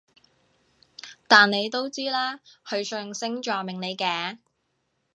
但你都知啦，佢信星座命理嘅